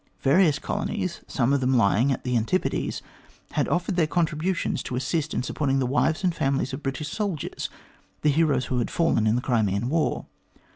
Various colonies, some of them lying at the Antipodes, had offered their contributions to assist in supporting the wives and families of British soldiers, the heroes who had fallen in the Crimean war.